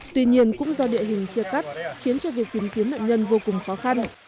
tuy nhiên cũng do địa hình chia cắt khiến cho việc tìm kiếm nạn nhân vô cùng khó khăn